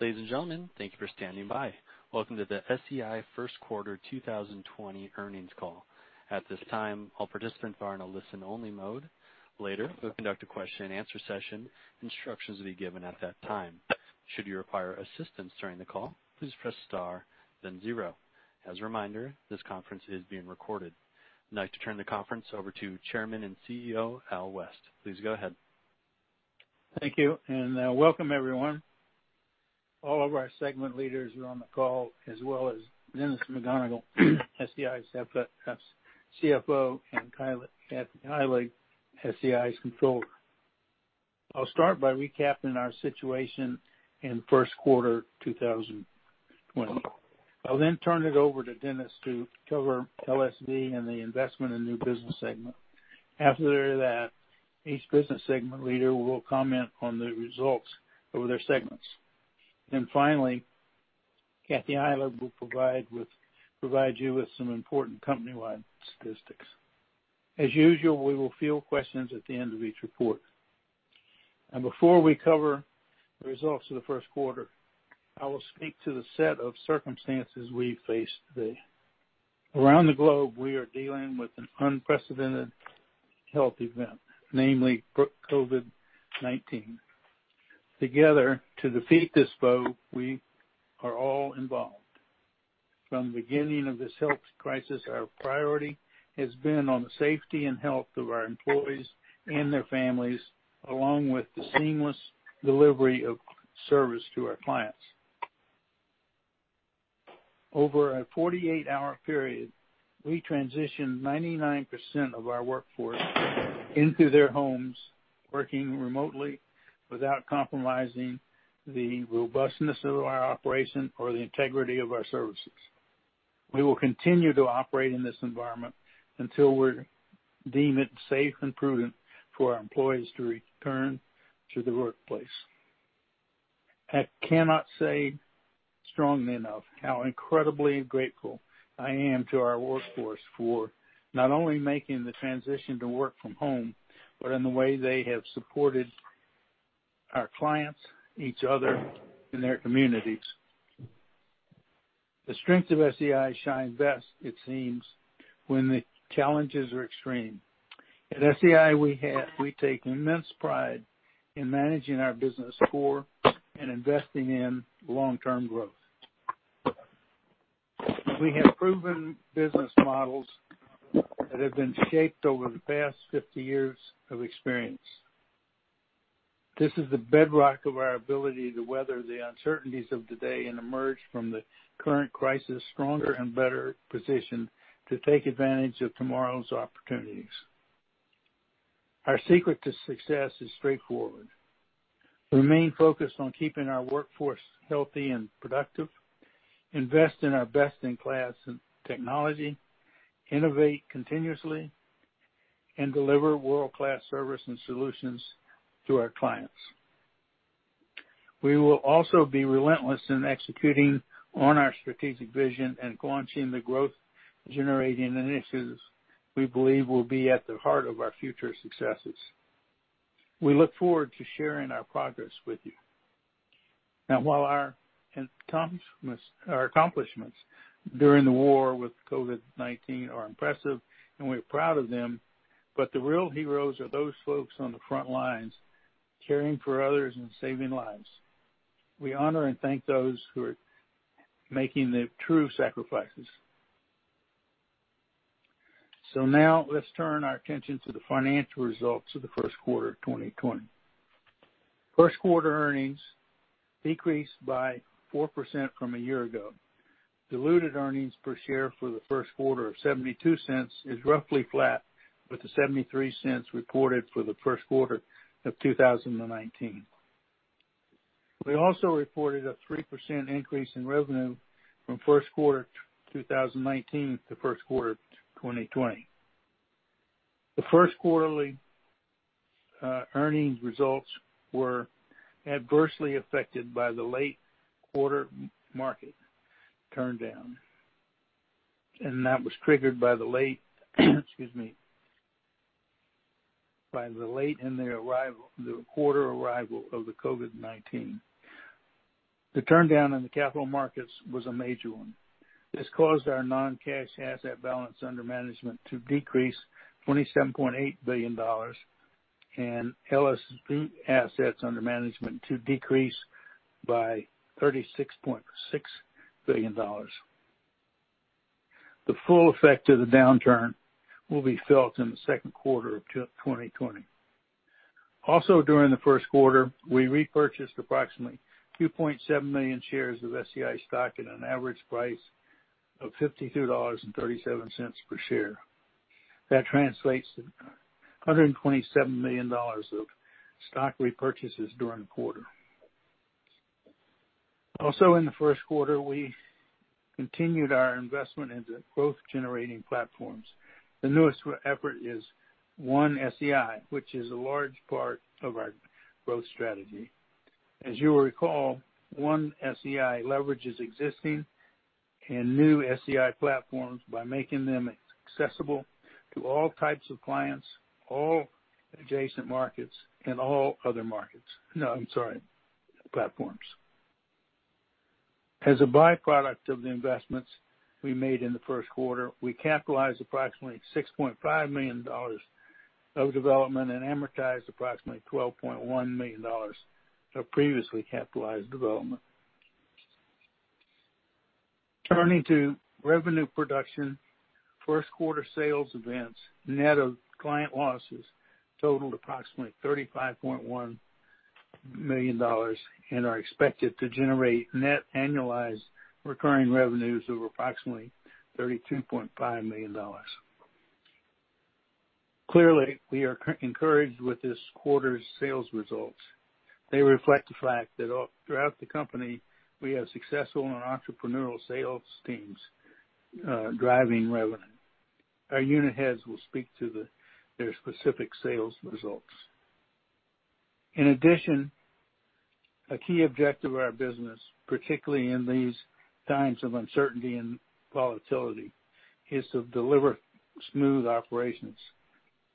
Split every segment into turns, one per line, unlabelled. Ladies and gentlemen, thank you for standing by. Welcome to the SEI First Quarter 2020 Earnings Call. At this time, all participants are in a listen only mode. Later, we'll conduct a question and answer session. Instructions will be given at that time. Should you require assistance during the call, please press star then zero. As a reminder, this conference is being recorded. I'd like to turn the conference over to Chairman and CEO, Al West. Please go ahead.
Thank you, and welcome everyone. All of our segment leaders are on the call as well as Dennis McGonigle, SEI's CFO, and Kathy Heilig, SEI's Controller. I'll start by recapping our situation in first quarter 2020. I'll turn it over to Dennis to cover LSV and the investment in new business segment. After that, each business segment leader will comment on the results of their segments. Finally, Kathy Heilig will provide you with some important company-wide statistics. As usual, we will field questions at the end of each report. Before we cover the results of the first quarter, I will speak to the set of circumstances we face today. Around the globe, we are dealing with an unprecedented health event, namely COVID-19. Together, to defeat this foe, we are all involved. From the beginning of this health crisis, our priority has been on the safety and health of our employees and their families, along with the seamless delivery of service to our clients. Over a 48-hour period, we transitioned 99% of our workforce into their homes, working remotely without compromising the robustness of our operation or the integrity of our services. We will continue to operate in this environment until we deem it safe and prudent for our employees to return to the workplace. I cannot say strongly enough how incredibly grateful I am to our workforce for not only making the transition to work from home, but in the way they have supported our clients, each other, and their communities. The strength of SEI shine best, it seems, when the challenges are extreme. At SEI, we take immense pride in managing our business core and investing in long-term growth. We have proven business models that have been shaped over the past 50 years of experience. This is the bedrock of our ability to weather the uncertainties of today and emerge from the current crisis stronger and better positioned to take advantage of tomorrow's opportunities. Our secret to success is straightforward. Remain focused on keeping our workforce healthy and productive, invest in our best-in-class technology, innovate continuously, and deliver world-class service and solutions to our clients. We will also be relentless in executing on our strategic vision and launching the growth generating initiatives we believe will be at the heart of our future successes. We look forward to sharing our progress with you. While our accomplishments during the war with COVID-19 are impressive, and we're proud of them, but the real heroes are those folks on the front lines caring for others and saving lives. We honor and thank those who are making the true sacrifices. Now let's turn our attention to the financial results of the first quarter of 2020. First quarter earnings decreased by 4% from a year ago. Diluted earnings per share for the first quarter of $0.72 is roughly flat with the $0.73 reported for the first quarter of 2019. We also reported a 3% increase in revenue from first quarter 2019 to first quarter 2020. The first quarterly earnings results were adversely affected by the late quarter market turndown. That was triggered by the late in the quarter arrival of the COVID-19. The turndown in the capital markets was a major one. This caused our non-cash asset balance under management to decrease $27.8 billion and LSV assets under management to decrease by $36.6 billion. The full effect of the downturn will be felt in the second quarter of 2020. During the first quarter, we repurchased approximately 2.7 million shares of SEI stock at an average price of $52.37 per share. That translates to $127 million of stock repurchases during the quarter. In the first quarter, we continued our investment into growth-generating platforms. The newest effort is One SEI, which is a large part of our growth strategy. As you will recall, One SEI leverages existing and new SEI platforms by making them accessible to all types of clients, all adjacent markets, and all other platforms. As a byproduct of the investments we made in the first quarter, we capitalized approximately $6.5 million of development and amortized approximately $12.1 million of previously capitalized development. Turning to revenue production, first quarter sales events, net of client losses totaled approximately $35.1 million and are expected to generate net annualized recurring revenues of approximately $32.5 million. Clearly, we are encouraged with this quarter's sales results. They reflect the fact that throughout the company, we have successful and entrepreneurial sales teams driving revenue. Our unit heads will speak to their specific sales results. In addition, a key objective of our business, particularly in these times of uncertainty and volatility, is to deliver smooth operations.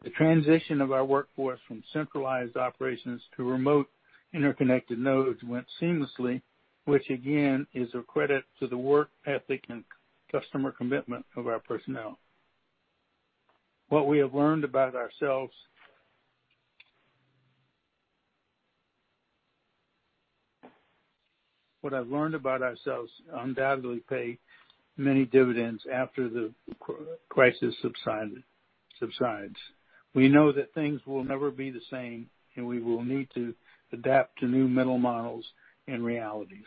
The transition of our workforce from centralized operations to remote interconnected nodes went seamlessly, which again, is a credit to the work ethic and customer commitment of our personnel. What I've learned about ourselves undoubtedly pay many dividends after the crisis subsides. We know that things will never be the same, and we will need to adapt to new mental models and realities.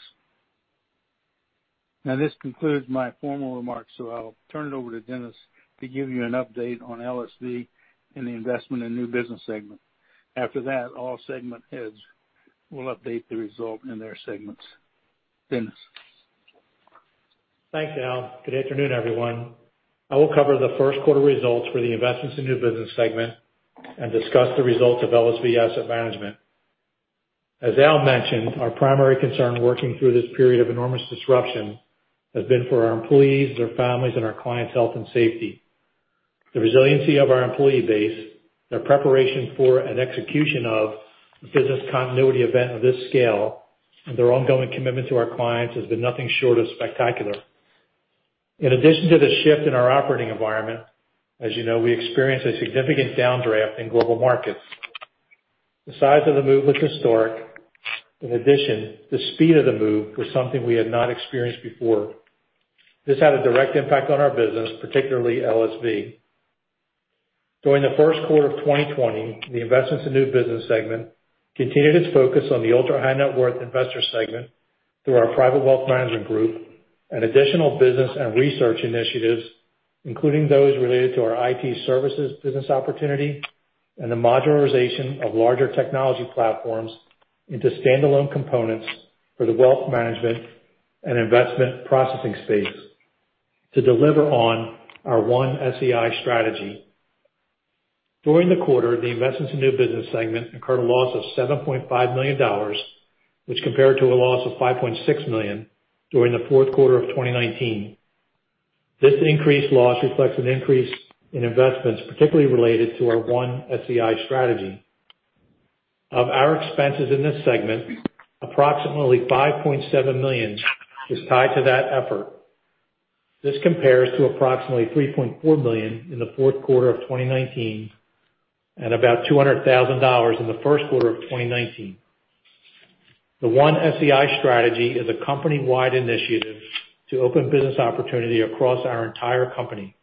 This concludes my formal remarks, so I'll turn it over to Dennis to give you an update on LSV and the investment in new business segment. After that, all segment heads will update the result in their segments. Dennis.
Thanks, Al. Good afternoon, everyone. I will cover the first quarter results for the investments in new business segment and discuss the results of LSV Asset Management. As Al mentioned, our primary concern working through this period of enormous disruption has been for our employees, their families, and our clients' health and safety. The resiliency of our employee base, their preparation for and execution of a business continuity event of this scale, and their ongoing commitment to our clients has been nothing short of spectacular. In addition to the shift in our operating environment, as you know, we experienced a significant downdraft in global markets. The size of the move was historic. In addition, the speed of the move was something we had not experienced before. This had a direct impact on our business, particularly LSV. During the first quarter of 2020, the investments in new business segment continued its focus on the ultra-high net worth investor segment through our private wealth management group and additional business and research initiatives, including those related to our IT services business opportunity and the modularization of larger technology platforms into standalone components for the wealth management and investment processing space to deliver on our One SEI strategy. During the quarter, the investments in new business segment incurred a loss of $7.5 million, which compared to a loss of $5.6 million during the fourth quarter of 2019. This increased loss reflects an increase in investments, particularly related to our One SEI strategy. Of our expenses in this segment, approximately $5.7 million is tied to that effort. This compares to approximately $3.4 million in the fourth quarter of 2019, and about $200,000 in the first quarter of 2019. The One SEI strategy is a company-wide initiative to open business opportunity across our entire company,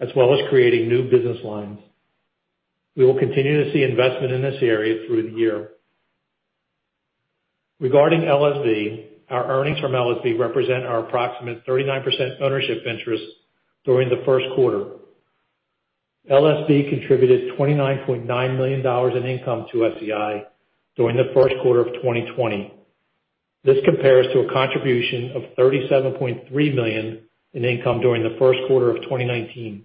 as well as creating new business lines. We will continue to see investment in this area through the year. Regarding LSV, our earnings from LSV represent our approximate 39% ownership interest during the first quarter. LSV contributed $29.9 million in income to SEI during the first quarter of 2020. This compares to a contribution of $37.3 million in income during the first quarter of 2019.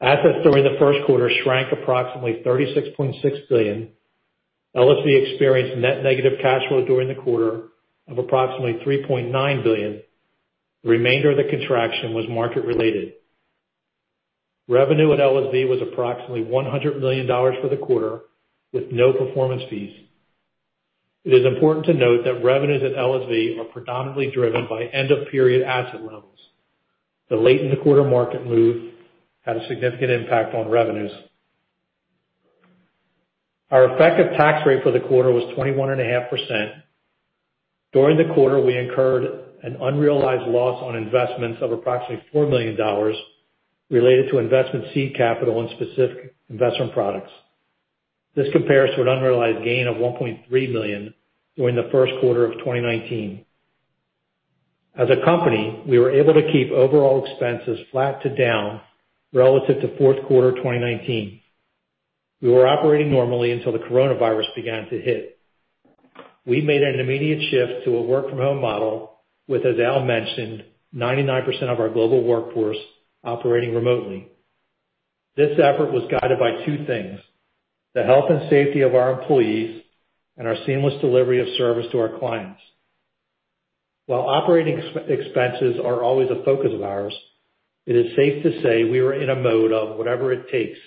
Assets during the first quarter shrank approximately $36.6 billion. LSV experienced net negative cash flow during the quarter of approximately $3.9 billion. The remainder of the contraction was market related. Revenue at LSV was approximately $100 million for the quarter with no performance fees. It is important to note that revenues at LSV are predominantly driven by end-of-period asset levels. The late in the quarter market move had a significant impact on revenues. Our effective tax rate for the quarter was 21.5%. During the quarter, we incurred an unrealized loss on investments of approximately $4 million related to investment seed capital in specific investment products. This compares to an unrealized gain of $1.3 million during the first quarter of 2019. As a company, we were able to keep overall expenses flat to down relative to fourth quarter 2019. We were operating normally until the coronavirus began to hit. We made an immediate shift to a work-from-home model with, as Al mentioned, 99% of our global workforce operating remotely. This effort was guided by two things, the health and safety of our employees and our seamless delivery of service to our clients. While operating expenses are always a focus of ours, it is safe to say we were in a mode of whatever it takes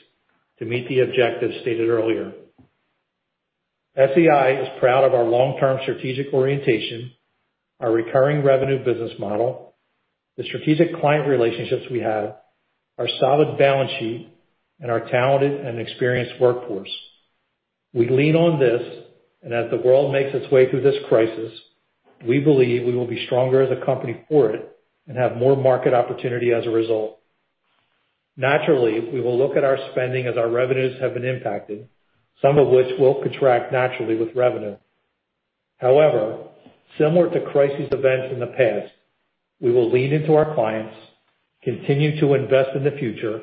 to meet the objectives stated earlier. SEI is proud of our long-term strategic orientation, our recurring revenue business model, the strategic client relationships we have, our solid balance sheet, and our talented and experienced workforce. We lean on this, and as the world makes its way through this crisis, we believe we will be stronger as a company for it and have more market opportunity as a result. Naturally, we will look at our spending as our revenues have been impacted, some of which will contract naturally with revenue. However, similar to crisis events in the past, we will lean into our clients, continue to invest in the future,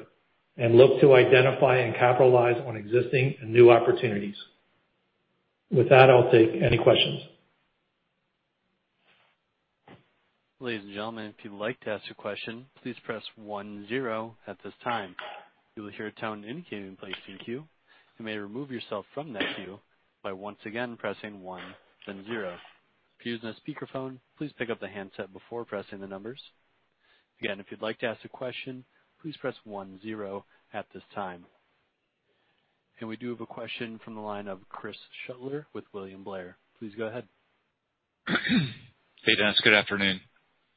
and look to identify and capitalize on existing and new opportunities. With that, I'll take any questions.
Ladies and gentlemen, if you'd like to ask a question, please press one zero at this time. You will hear a tone indicating you've placed in queue. You may remove yourself from that queue by once again pressing one, then zero. If you're using a speakerphone, please pick up the handset before pressing the numbers. Again, if you'd like to ask a question, please press one zero at this time. We do have a question from the line of Chris Shutler with William Blair. Please go ahead.
Hey, Dennis. Good afternoon.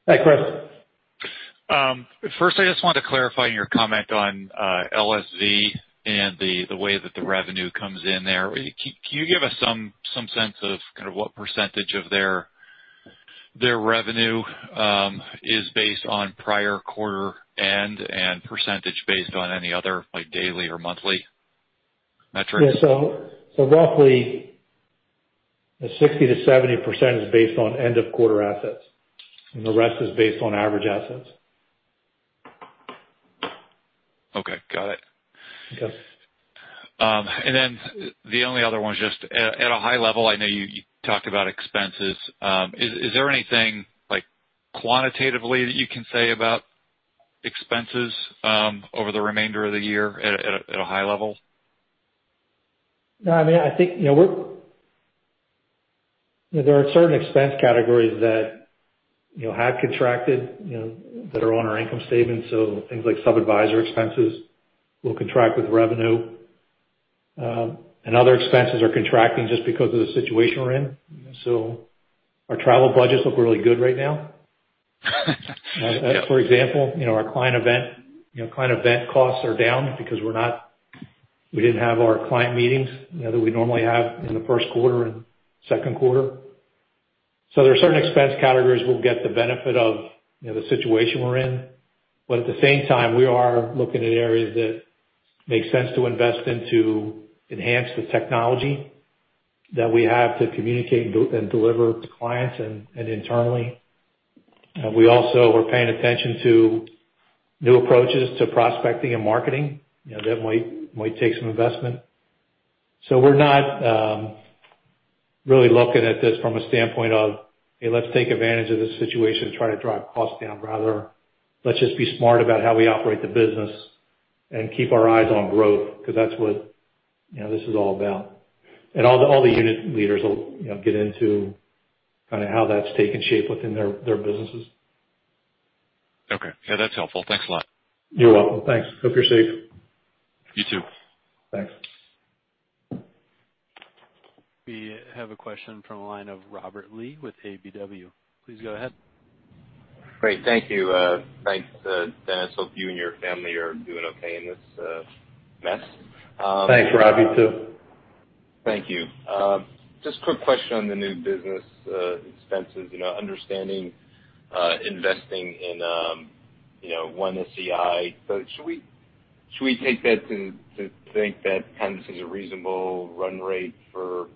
Hi, Chris.
First, I just wanted to clarify your comment on LSV and the way that the revenue comes in there. Can you give us some sense of what percentage of their revenue is based on prior quarter end and percentage based on any other, like daily or monthly metrics?
Roughly 60%-70% is based on end of quarter assets, and the rest is based on average assets.
Okay. Got it.
Yes.
The only other one is just at a high level, I know you talked about expenses. Is there anything quantitatively that you can say about expenses over the remainder of the year at a high level?
No. There are certain expense categories that have contracted, that are on our income statement. Things like sub-adviser expenses will contract with revenue. Other expenses are contracting just because of the situation we're in. Our travel budgets look really good right now.
Yeah.
For example, our client event costs are down because we didn't have our client meetings that we normally have in the first quarter and second quarter. There are certain expense categories we'll get the benefit of the situation we're in. At the same time, we are looking at areas that make sense to invest in to enhance the technology that we have to communicate and deliver to clients and internally. We also were paying attention to new approaches to prospecting and marketing. That might take some investment. We're not really looking at this from a standpoint of, "Hey, let's take advantage of this situation to try to drive costs down." Rather, let's just be smart about how we operate the business and keep our eyes on growth, because that's what this is all about. All the unit leaders will get into how that's taken shape within their businesses.
Okay. Yeah, that's helpful. Thanks a lot.
You're welcome. Thanks. Hope you're safe.
You, too.
Thanks.
We have a question from the line of Robert Lee with KBW. Please go ahead.
Great. Thank you. Thanks, Dennis. Hope you and your family are doing okay in this mess.
Thanks, Rob. You too.
Thank you. Just a quick question on the new business expenses. Understanding investing in One SEI, should we take that to think that this is a reasonable run rate for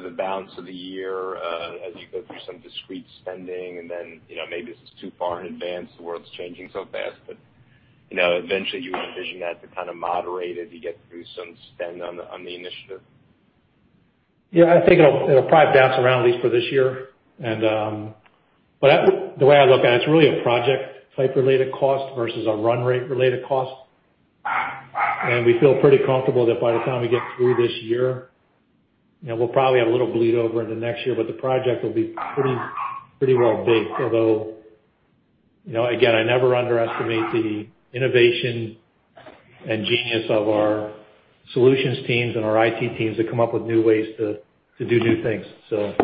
the balance of the year as you go through some discrete spending and then, maybe this is too far in advance, the world's changing so fast, but eventually you would envision that to moderate as you get through some spend on the initiative?
Yeah, I think it'll probably bounce around, at least for this year. But the way I look at it's really a project-type related cost versus a run rate-related cost. And we feel pretty comfortable that by the time we get through this year, we'll probably have a little bleed over into next year, but the project will be pretty well baked. Although, again, I never underestimate the innovation and genius of our solutions teams and our IT teams to come up with new ways to do new things. So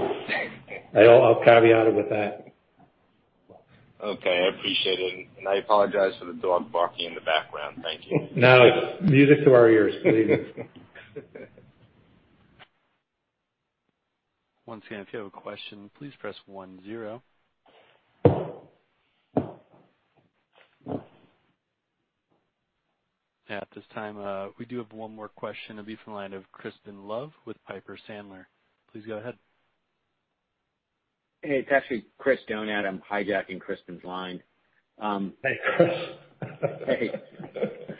I'll caveat it with that.
Okay. I appreciate it. I apologize for the dog barking in the background. Thank you.
No. Music to our ears. Please.
Once again, if you have a question, please press one zero. At this time, we do have one more question. It'll be from the line of Crispin Love with Piper Sandler. Please go ahead.
Hey, it's actually Chris Donat. I'm hijacking Crispin's line.
Hey, Chris.
Hey.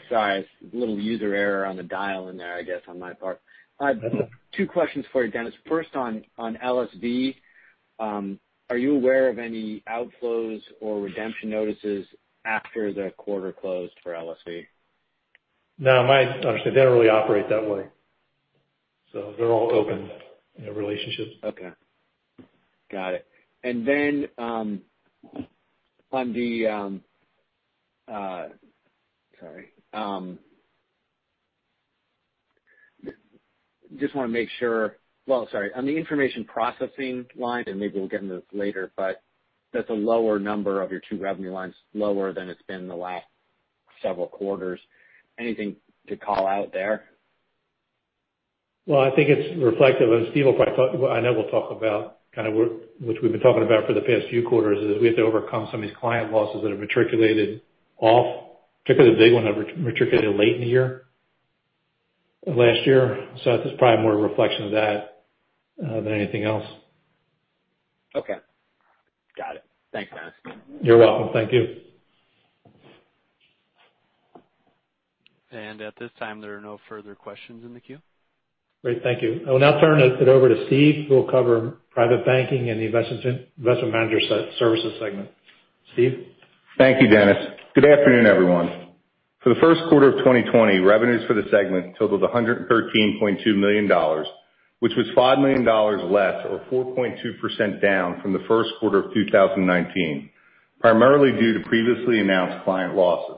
Sorry. A little user error on the dial in there, I guess, on my part.
That's okay.
Two questions for you, Dennis. First on LSV. Are you aware of any outflows or redemption notices after the quarter closed for LSV?
No. My understanding, they don't really operate that way. They're all open relationships.
Okay. Got it. Just want to make sure. Well, on the information processing line, maybe we'll get into this later, that's a lower number of your two revenue lines, lower than it's been in the last several quarters. Anything to call out there?
Well, I think it's reflective, and Steve will probably talk, I know he'll talk about which we've been talking about for the past few quarters, is we have to overcome some of these client losses that have matriculated off, particularly the big one that matriculated late in the year, last year. It's just probably more a reflection of that, than anything else.
Okay. Got it. Thanks, Dennis.
You're welcome. Thank you.
At this time, there are no further questions in the queue.
Great. Thank you. I will now turn it over to Steve, who will cover private banking and the Investment Manager Services segment. Steve?
Thank you, Dennis. Good afternoon, everyone. For the first quarter of 2020, revenues for the segment totaled $113.2 million, which was $5 million less or 4.2% down from the first quarter of 2019, primarily due to previously announced client losses.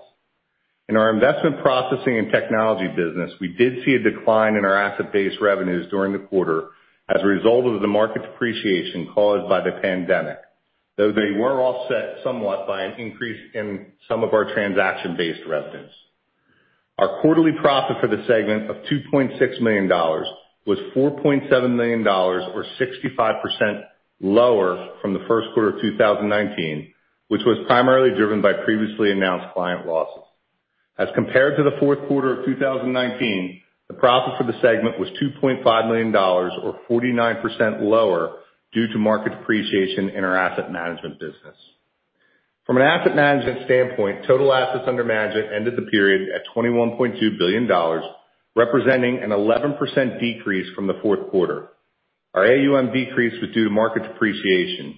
In our investment processing and technology business, we did see a decline in our asset-based revenues during the quarter as a result of the market depreciation caused by the pandemic, though they were offset somewhat by an increase in some of our transaction-based revenues. Our quarterly profit for the segment of $2.6 million was $4.7 million, or 65% lower from the first quarter of 2019, which was primarily driven by previously announced client losses. As compared to the fourth quarter of 2019, the profit for the segment was $2.5 million, or 49% lower due to market depreciation in our asset management business. From an asset management standpoint, total assets under management ended the period at $21.2 billion, representing an 11% decrease from the fourth quarter. Our AUM decrease was due to market depreciation.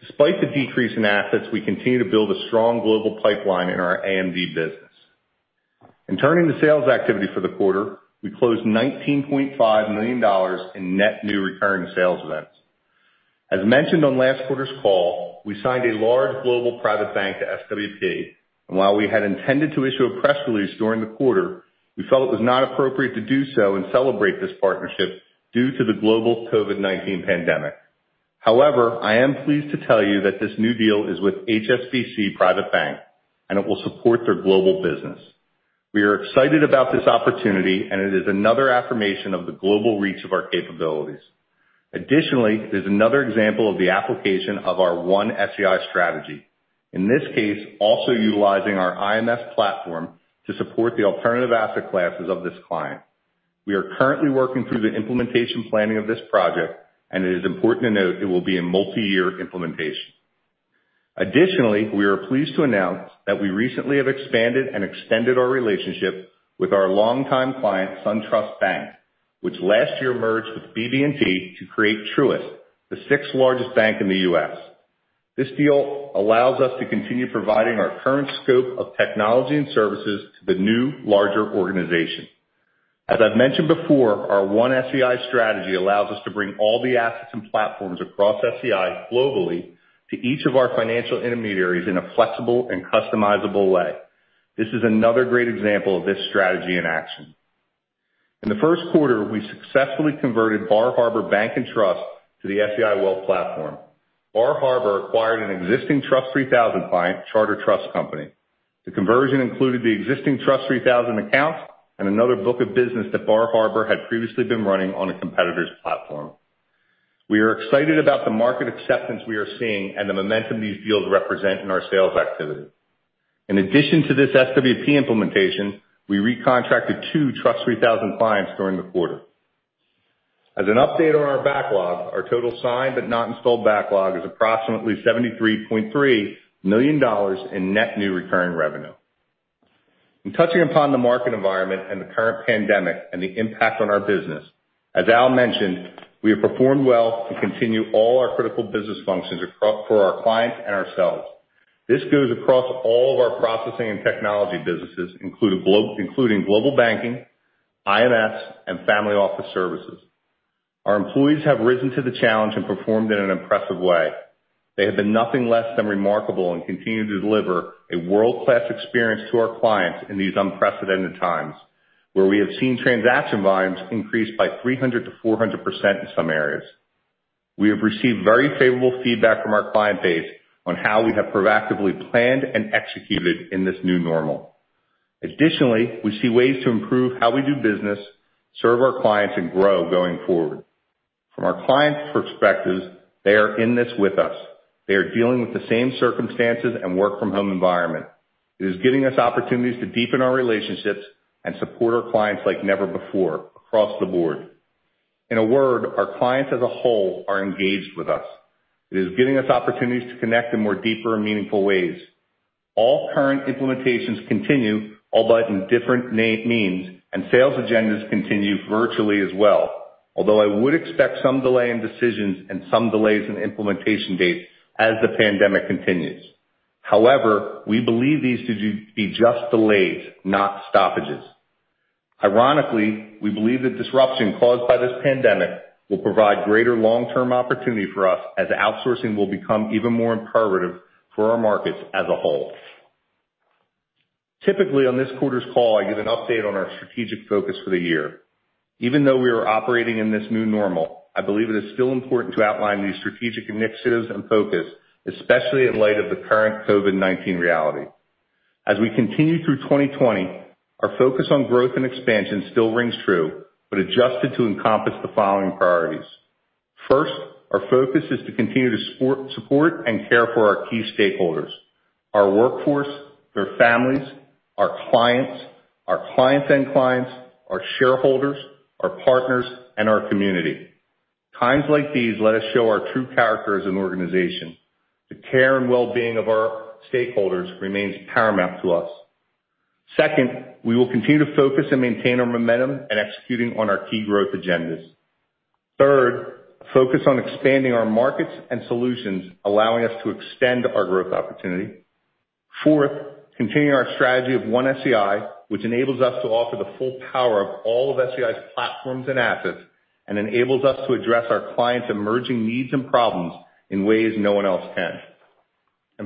Despite the decrease in assets, we continue to build a strong global pipeline in our AMD business. In turning to sales activity for the quarter, we closed $19.5 million in net new recurring sales events. As mentioned on last quarter's call, we signed a large global private bank to SWP. While we had intended to issue a press release during the quarter, we felt it was not appropriate to do so and celebrate this partnership due to the global COVID-19 pandemic. However, I am pleased to tell you that this new deal is with HSBC Private Bank, and it will support their global business. We are excited about this opportunity, and it is another affirmation of the global reach of our capabilities. There's another example of the application of our One SEI strategy. In this case, also utilizing our IMS platform to support the alternative asset classes of this client. We are currently working through the implementation planning of this project, and it is important to note it will be a multi-year implementation. We are pleased to announce that we recently have expanded and extended our relationship with our longtime client, SunTrust Bank, which last year merged with BB&T to create Truist, the sixth-largest bank in the U.S. This deal allows us to continue providing our current scope of technology and services to the new, larger organization. As I've mentioned before, our One SEI strategy allows us to bring all the assets and platforms across SEI globally to each of our financial intermediaries in a flexible and customizable way. This is another great example of this strategy in action. In the first quarter, we successfully converted Bar Harbor Bank & Trust to the SEI Wealth Platform. Bar Harbor acquired an existing TRUST 3000 client, Charter Trust Company. The conversion included the existing TRUST 3000 account and another book of business that Bar Harbor had previously been running on a competitor's platform. We are excited about the market acceptance we are seeing and the momentum these deals represent in our sales activity. In addition to this SWP implementation, we recontracted two TRUST 3000 clients during the quarter. As an update on our backlog, our total signed but not installed backlog is approximately $73.3 million in net new recurring revenue. In touching upon the market environment and the current pandemic and the impact on our business, as Al mentioned, we have performed well to continue all our critical business functions for our clients and ourselves. This goes across all of our processing and technology businesses, including global banking, IMS, and family office services. Our employees have risen to the challenge and performed in an impressive way. They have been nothing less than remarkable and continue to deliver a world-class experience to our clients in these unprecedented times, where we have seen transaction volumes increase by 300% to 400% in some areas. We have received very favorable feedback from our client base on how we have proactively planned and executed in this new normal. Additionally, we see ways to improve how we do business, serve our clients, and grow going forward. From our clients' perspectives, they are in this with us. They are dealing with the same circumstances and work-from-home environment. It is giving us opportunities to deepen our relationships and support our clients like never before across the board. In a word, our clients as a whole are engaged with us. It is giving us opportunities to connect in more deeper and meaningful ways. All current implementations continue, albeit in different means. Sales agendas continue virtually as well. I would expect some delay in decisions and some delays in implementation dates as the pandemic continues. However, we believe these to be just delays, not stoppages. Ironically, we believe the disruption caused by this pandemic will provide greater long-term opportunity for us as outsourcing will become even more imperative for our markets as a whole. Typically, on this quarter's call, I give an update on our strategic focus for the year. Even though we are operating in this new normal, I believe it is still important to outline these strategic initiatives and focus, especially in light of the current COVID-19 reality. As we continue through 2020, our focus on growth and expansion still rings true, but adjusted to encompass the following priorities. First, our focus is to continue to support and care for our key stakeholders, our workforce, their families, our clients, our clients' end clients, our shareholders, our partners, and our community. Times like these let us show our true character as an organization. The care and well-being of our stakeholders remains paramount to us. Second, we will continue to focus and maintain our momentum in executing on our key growth agendas. Third, a focus on expanding our markets and solutions, allowing us to extend our growth opportunity. Fourth, continuing our strategy of One SEI, which enables us to offer the full power of all of SEI's platforms and assets and enables us to address our clients' emerging needs and problems in ways no one else can.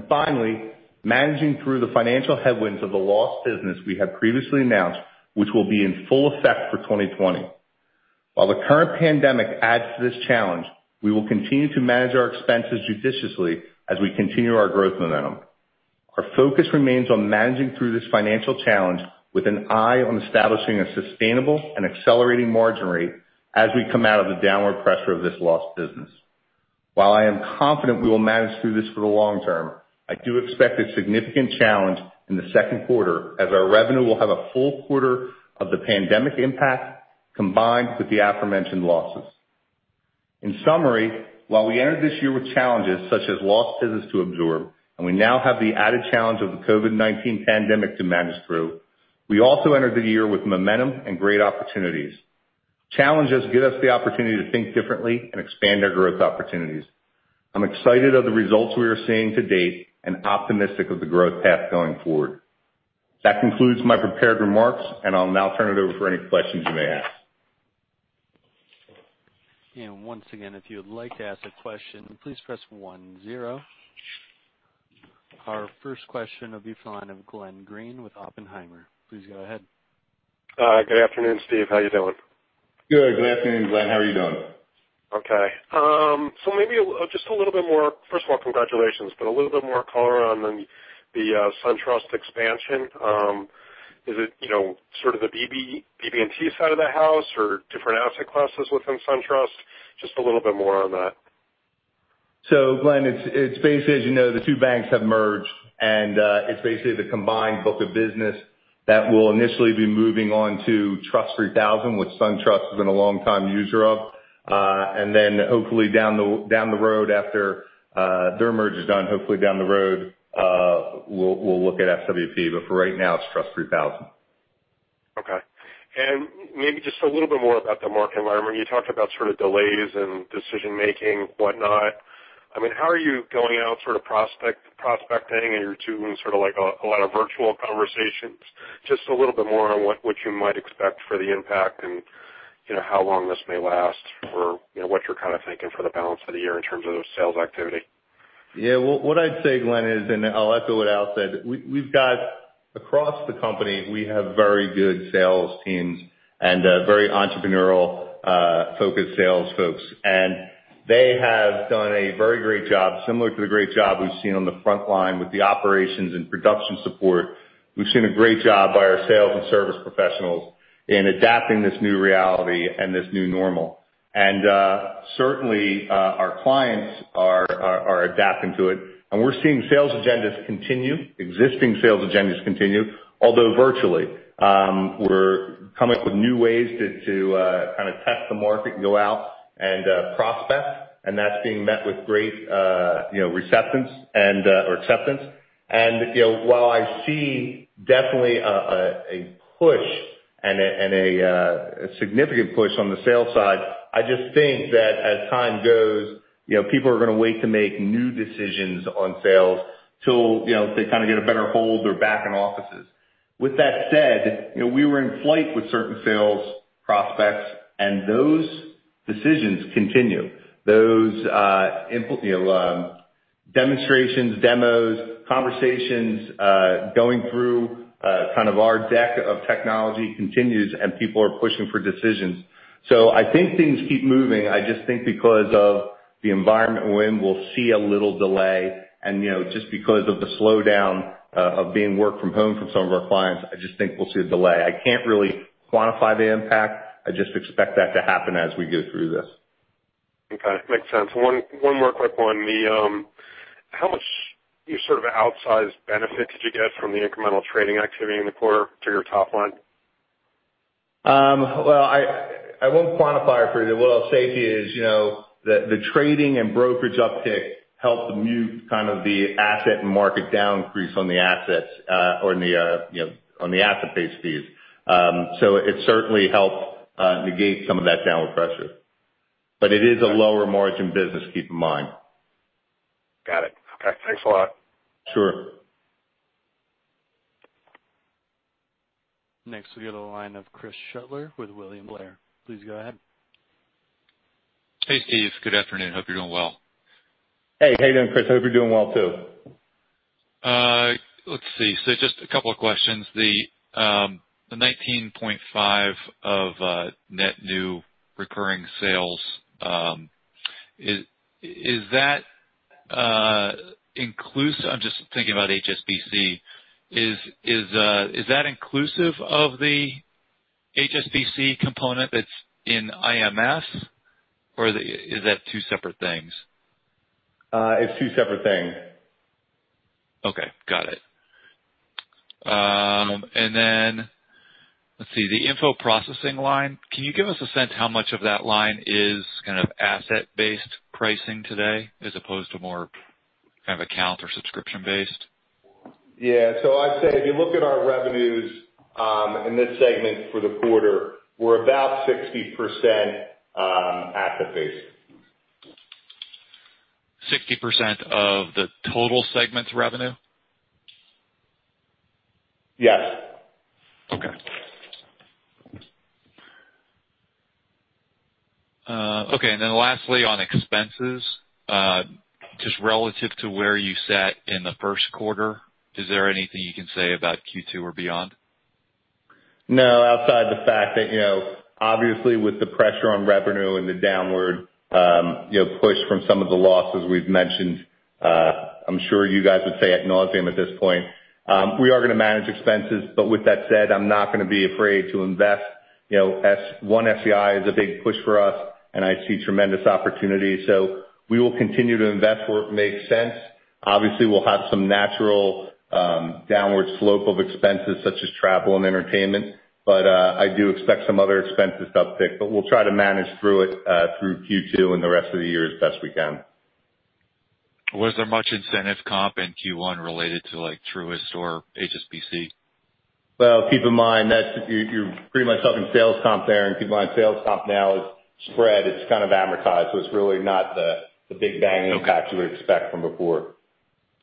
Finally, managing through the financial headwinds of the lost business we had previously announced, which will be in full effect for 2020. While the current pandemic adds to this challenge, we will continue to manage our expenses judiciously as we continue our growth momentum. Our focus remains on managing through this financial challenge with an eye on establishing a sustainable and accelerating margin rate as we come out of the downward pressure of this lost business. While I am confident we will manage through this for the long term, I do expect a significant challenge in the second quarter as our revenue will have a full quarter of the pandemic impact combined with the aforementioned losses. In summary, while we entered this year with challenges such as lost business to absorb, we now have the added challenge of the COVID-19 pandemic to manage through, we also entered the year with momentum and great opportunities. Challenges give us the opportunity to think differently and expand our growth opportunities. I'm excited of the results we are seeing to date and optimistic of the growth path going forward. That concludes my prepared remarks, and I'll now turn it over for any questions you may have.
Once again, if you would like to ask a question, please press one zero. Our first question will be from the line of Glenn Greene with Oppenheimer. Please go ahead.
Good afternoon, Steve. How you doing?
Good. Good afternoon, Glenn. How are you doing?
First of all, congratulations, but a little bit more color on the SunTrust expansion. Is it sort of the BB&T side of the house or different asset classes within SunTrust? Just a little bit more on that.
Glenn, as you know, the two banks have merged, and it's basically the combined book of business that will initially be moving on to TRUST 3000, which SunTrust has been a long-time user of. Their merge is done, hopefully down the road, we'll look at SWP. For right now, it's TRUST 3000.
Okay. Maybe just a little bit more about the market environment. You talked about sort of delays in decision-making, whatnot. How are you going out sort of prospecting and you're doing sort of like a lot of virtual conversations? Just a little bit more on what you might expect for the impact and how long this may last, or what you're kind of thinking for the balance of the year in terms of the sales activity.
Yeah. What I'd say, Glenn, is, I'll echo what Al said, across the company, we have very good sales teams and very entrepreneurial-focused sales folks. They have done a very great job. Similar to the great job we've seen on the front line with the operations and production support, we've seen a great job by our sales and service professionals in adapting this new reality and this new normal. Certainly, our clients are adapting to it, and we're seeing sales agendas continue, existing sales agendas continue, although virtually. We're coming up with new ways to kind of test the market and go out and prospect, and that's being met with great acceptance. While I see definitely a significant push on the sales side, I just think that as time goes, people are going to wait to make new decisions on sales till they kind of get a better hold or back in offices. With that said, we were in flight with certain sales prospects, and those decisions continue. Those demonstrations, demos, conversations, going through kind of our deck of technology continues, and people are pushing for decisions. I think things keep moving, I just think because of the environment we're in, we'll see a little delay. Just because of the slowdown of being work from home from some of our clients, I just think we'll see a delay. I can't really quantify the impact. I just expect that to happen as we go through this.
Okay. Makes sense. One more quick one. How much sort of outsized benefit did you get from the incremental trading activity in the quarter to your top line?
Well, I won't quantify it for you. What I'll say to you is, the trading and brokerage uptick helped mute the asset market down increase on the assets or on the asset-based fees. It certainly helped negate some of that downward pressure. It is a lower-margin business, keep in mind.
Got it. Okay. Thanks a lot.
Sure.
Next, we go to the line of Chris Shutler with William Blair. Please go ahead.
Hey, Steve. Good afternoon. Hope you're doing well.
Hey, how you doing, Chris? Hope you're doing well, too.
Let's see. Just a couple of questions. The 19.5 of net new recurring sales, I'm just thinking about HSBC. Is that inclusive of the HSBC component that's in IMS? Is that two separate things?
It's two separate things.
Okay. Got it. Let's see, the info processing line, can you give us a sense how much of that line is asset-based pricing today as opposed to more account or subscription-based?
Yeah. I'd say, if you look at our revenues, in this segment for the quarter, we're about 60% asset-based.
60% of the total segment revenue?
Yes.
Okay. Lastly, on expenses, just relative to where you sat in the first quarter, is there anything you can say about Q2 or beyond?
No, outside the fact that, obviously with the pressure on revenue and the downward push from some of the losses we've mentioned, I'm sure you guys would say ad nauseam at this point. We are going to manage expenses, but with that said, I'm not going to be afraid to invest. One SEI is a big push for us and I see tremendous opportunity. We will continue to invest where it makes sense. Obviously, we'll have some natural downward slope of expenses such as travel and entertainment. I do expect some other expenses to uptick. We'll try to manage through it through Q2 and the rest of the year as best we can.
Was there much incentive comp in Q1 related to Truist or HSBC?
Well, keep in mind that you're pretty much talking sales comp there, and keep in mind sales comp now is spread. It's kind of amortized. It's really not the big bang impact you would expect from before.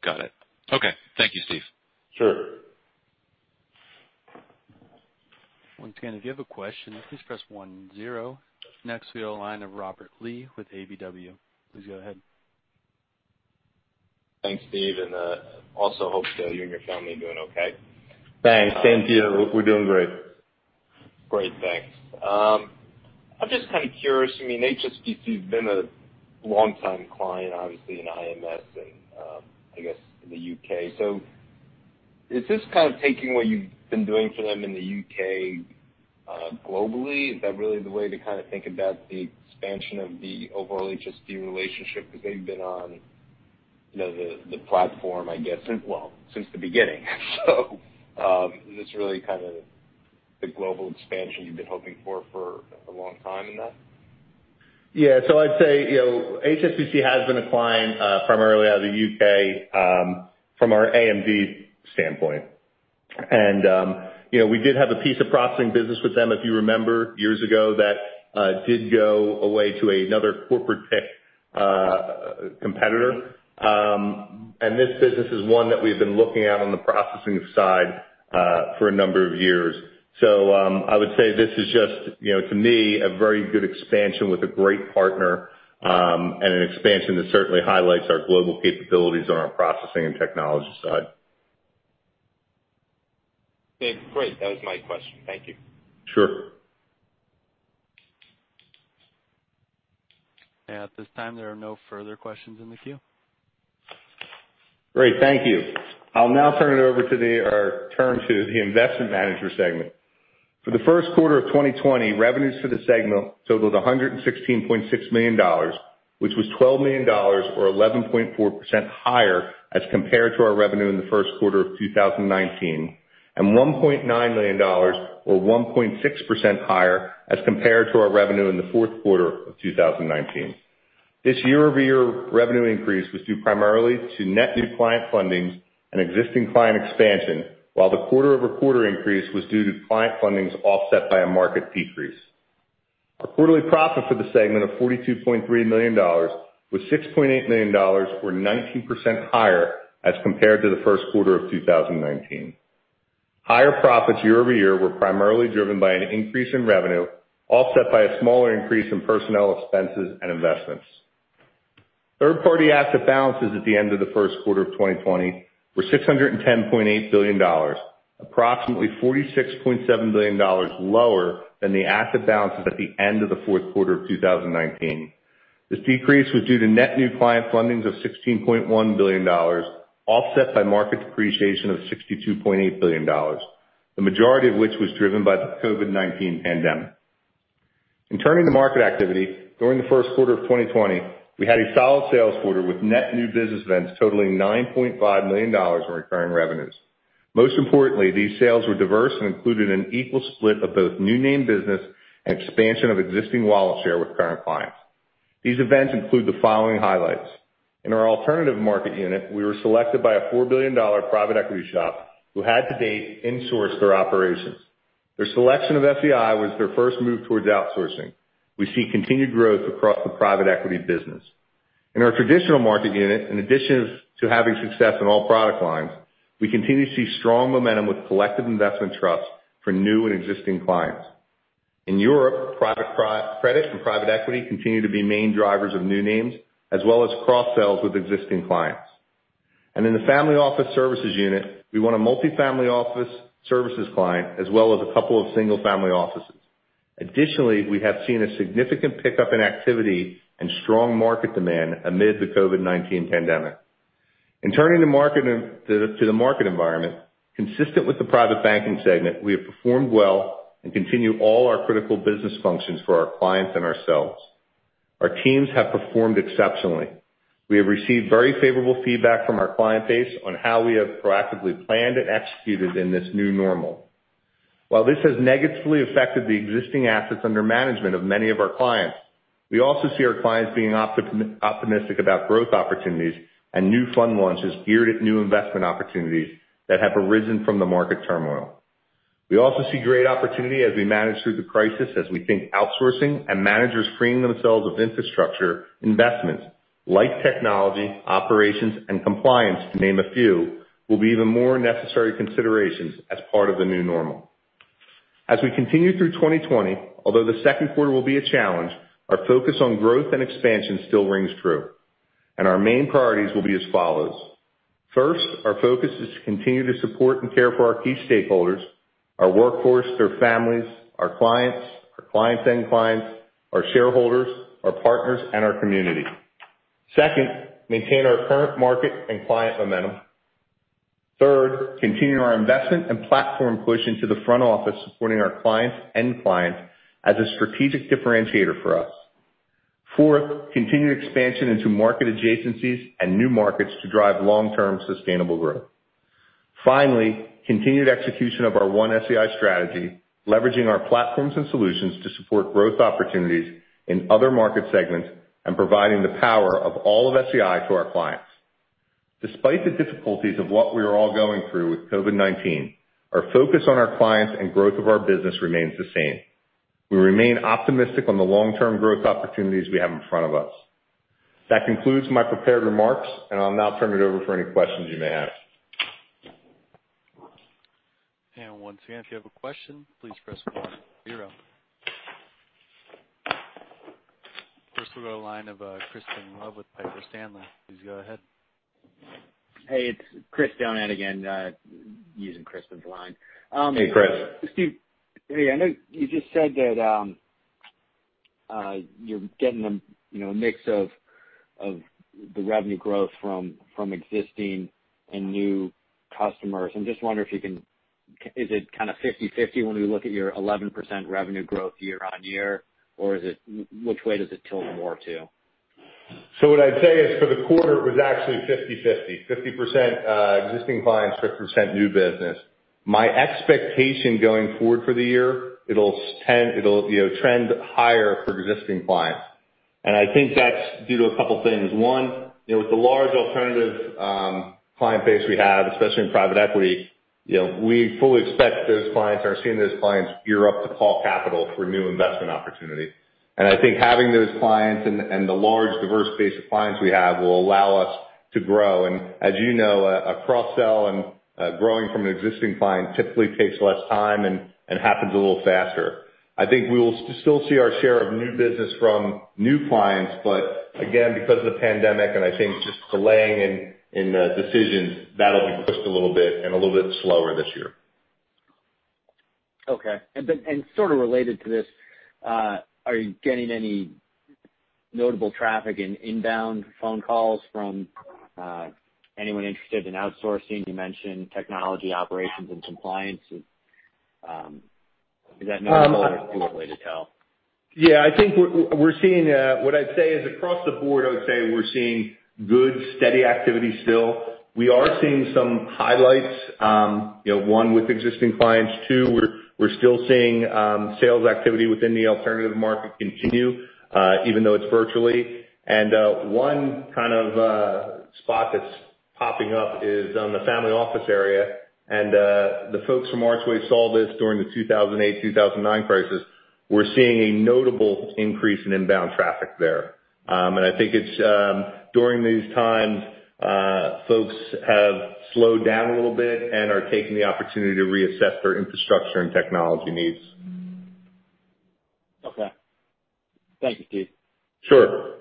Got it. Okay. Thank you, Steve.
Sure.
Once again, if you have a question, please press one zero. Next, we go line of Robert Lee with KBW. Please go ahead.
Thanks, Steve. Also hope that you and your family are doing okay.
Thanks. Same to you. We're doing great.
Great, thanks. I'm just kind of curious. HSBC has been a long-time client, obviously in IMS and I guess in the U.K. Is this kind of taking what you've been doing for them in the U.K. globally? Is that really the way to think about the expansion of the overall HSBC relationship because they've been on the platform, I guess, well, since the beginning. Is this really the global expansion you've been hoping for a long time in that?
Yeah. I'd say, HSBC has been a client primarily out of the U.K. from our AMD standpoint. We did have a piece of processing business with them if you remember years ago that did go away to another corporate tech competitor. This business is one that we've been looking at on the processing side for a number of years. I would say this is just, to me, a very good expansion with a great partner. An expansion that certainly highlights our global capabilities on our processing and technology side.
Okay, great. That was my question. Thank you.
Sure.
At this time, there are no further questions in the queue.
Great. Thank you. I'll now turn it over to the or turn to the Investment Manager segment. For the first quarter of 2020, revenues for the segment totaled $116.6 million, which was $12 million or 11.4% higher as compared to our revenue in the first quarter of 2019, and $1.9 million or 1.6% higher as compared to our revenue in the fourth quarter of 2019. This year-over-year revenue increase was due primarily to net new client fundings and existing client expansion, while the quarter-over-quarter increase was due to client fundings offset by a market decrease. Our quarterly profit for the segment of $42.3 million was $6.8 million or 19% higher as compared to the first quarter of 2019. Higher profits year-over-year were primarily driven by an increase in revenue, offset by a smaller increase in personnel expenses and investments. Third-party asset balances at the end of the first quarter of 2020 were $610.8 billion, approximately $46.7 billion lower than the asset balances at the end of the fourth quarter of 2019. This decrease was due to net new client fundings of $16.1 billion, offset by market depreciation of $62.8 billion, the majority of which was driven by the COVID-19 pandemic. Turning to market activity, during the first quarter of 2020, we had a solid sales quarter with net new business events totaling $9.5 million in recurring revenues. Most importantly, these sales were diverse and included an equal split of both new name business and expansion of existing wallet share with current clients. These events include the following highlights. In our alternative market unit, we were selected by a $4 billion private equity shop who had to date insourced their operations. Their selection of SEI was their first move towards outsourcing. We see continued growth across the private equity business. In our traditional market unit, in addition to having success in all product lines, we continue to see strong momentum with collective investment trusts for new and existing clients. In Europe, private credit and private equity continue to be main drivers of new names, as well as cross-sells with existing clients. In the Family Office Services unit, we won a multifamily office services client, as well as a couple of single-family offices. Additionally, we have seen a significant pickup in activity and strong market demand amid the COVID-19 pandemic. In turning to the market environment, consistent with the private banking segment, we have performed well and continue all our critical business functions for our clients and ourselves. Our teams have performed exceptionally. We have received very favorable feedback from our client base on how we have proactively planned and executed in this new normal. While this has negatively affected the existing assets under management of many of our clients, we also see our clients being optimistic about growth opportunities and new fund launches geared at new investment opportunities that have arisen from the market turmoil. We also see great opportunity as we manage through the crisis, as we think outsourcing and managers freeing themselves of infrastructure investments like technology, operations, and compliance, to name a few, will be even more necessary considerations as part of the new normal. As we continue through 2020, although the second quarter will be a challenge, our focus on growth and expansion still rings true, and our main priorities will be as follows. First, our focus is to continue to support and care for our key stakeholders, our workforce, their families, our clients, our clients' end clients, our shareholders, our partners, and our community. Second, maintain our current market and client momentum. Third, continue our investment and platform push into the front office, supporting our clients' end clients as a strategic differentiator for us. Fourth, continue expansion into market adjacencies and new markets to drive long-term sustainable growth. Finally, continued execution of our One SEI strategy, leveraging our platforms and solutions to support growth opportunities in other market segments and providing the power of all of SEI to our clients. Despite the difficulties of what we are all going through with COVID-19, our focus on our clients and growth of our business remains the same. We remain optimistic on the long-term growth opportunities we have in front of us. That concludes my prepared remarks, and I'll now turn it over for any questions you may have.
Once again, if you have a question, please press one zero. First we go line of Crispin Love with Piper Sandler. Please go ahead.
Hey, it's Chris Donat again, using Crispin's line.
Hey, Chris.
Steve. Hey, I know you just said that you're getting a mix of the revenue growth from existing and new customers. I'm just wondering, is it kind of 50/50 when we look at your 11% revenue growth year-over-year? Which way does it tilt more to?
What I'd say is for the quarter, it was actually 50/50. 50% existing clients, 50% new business. My expectation going forward for the year, it'll trend higher for existing clients. I think that's due to a couple things. One, with the large alternative client base we have, especially in private equity, we fully expect those clients or are seeing those clients gear up to call capital for new investment opportunities. I think having those clients and the large diverse base of clients we have will allow us to grow. As you know, a cross-sell and growing from an existing client typically takes less time and happens a little faster. I think we will still see our share of new business from new clients, but again, because of the pandemic and I think just delaying in decisions, that'll be pushed a little bit and a little bit slower this year.
Okay. Sort of related to this, are you getting any notable traffic in inbound phone calls from anyone interested in outsourcing? You mentioned technology, operations, and compliance. Is that notable or too early to tell?
Yeah. What I'd say is across the board, I would say we're seeing good, steady activity still. We are seeing some highlights. One, with existing clients. Two, we're still seeing sales activity within the alternative market continue even though it's virtually. One kind of spot that's popping up is on the family office area. The folks from Archway saw this during the 2008, 2009 crisis. We're seeing a notable increase in inbound traffic there. I think it's during these times, folks have slowed down a little bit and are taking the opportunity to reassess their infrastructure and technology needs.
Okay. Thank you, Steve.
Sure.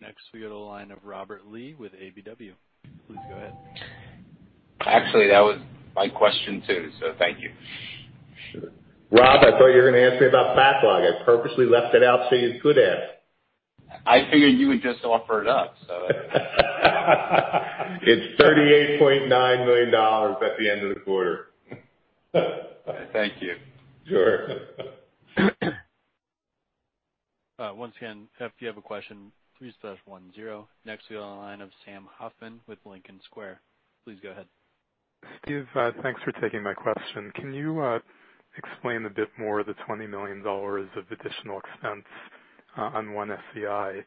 Next we go to the line of Robert Lee with KBW. Please go ahead.
Actually, that was my question, too, so thank you.
Sure. Rob, I thought you were going to ask me about backlog. I purposely left it out so you could ask.
I figured you would just offer it up.
It's $38.9 million at the end of the quarter.
Thank you.
Sure.
Once again, if you have a question, please press one zero. Next we have on the line of Sam Hoffman with Lincoln Square. Please go ahead.
Steve, thanks for taking my question. Can you explain a bit more the $20 million of additional expense on One SEI?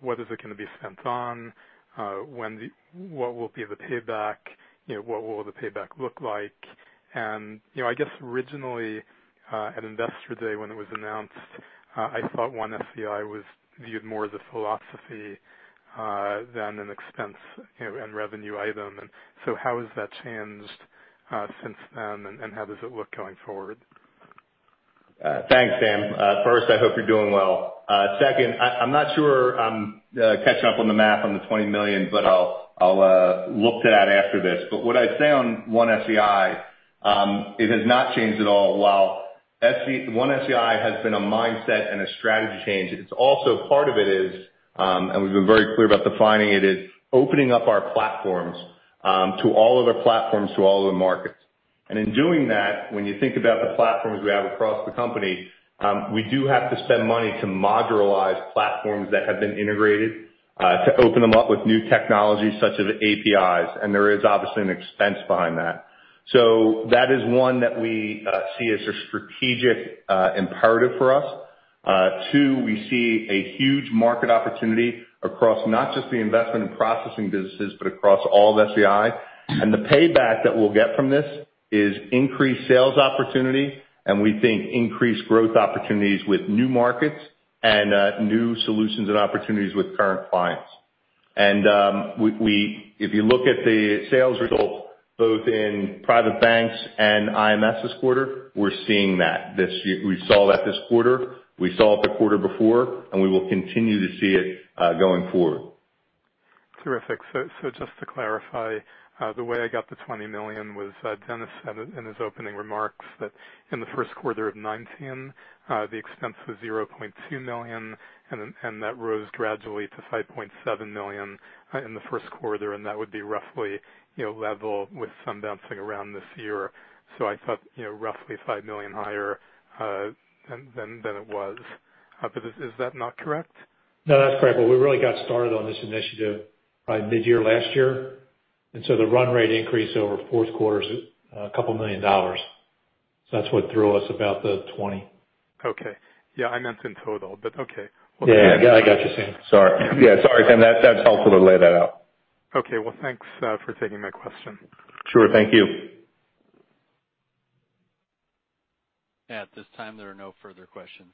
What is it going to be spent on? What will be the payback? What will the payback look like? I guess originally, at Investor Day when it was announced, I thought One SEI was viewed more as a philosophy than an expense and revenue item. How has that changed since then, and how does it look going forward?
Thanks, Sam. First, I hope you're doing well. Second, I'm not sure I'm catching up on the math on the $20 million, but I'll look to that after this. What I'd say on One SEI, it has not changed at all. While One SEI has been a mindset and a strategy change, it's also part of it is, and we've been very clear about defining it, is opening up our platforms to all other platforms, to all other markets. In doing that, when you think about the platforms we have across the company, we do have to spend money to modularize platforms that have been integrated to open them up with new technologies such as APIs. There is obviously an expense behind that. That is one that we see as a strategic imperative for us. Two, we see a huge market opportunity across not just the investment and processing businesses, but across all of SEI. The payback that we'll get from this is increased sales opportunity and we think increased growth opportunities with new markets and new solutions and opportunities with current clients. If you look at the sales results both in private banks and IMS this quarter, we're seeing that this year. We saw that this quarter. We saw it the quarter before. We will continue to see it going forward.
Just to clarify, the way I got the $20 million was Dennis said in his opening remarks that in the first quarter of 2019 the expense was $0.2 million and that rose gradually to $5.7 million in the first quarter and that would be roughly level with some bouncing around this year. I thought roughly $5 million higher than it was. Is that not correct?
No, that's correct. We really got started on this initiative by mid-year last year, and so the run rate increase over fourth quarter is a couple million dollars. That's what threw us about the $20.
Okay. Yeah, I meant in total, but okay.
Yeah, I got you, Sam. Sorry. Yeah, sorry, Sam. That's helpful to lay that out.
Okay. Well, thanks for taking my question.
Sure. Thank you.
At this time, there are no further questions.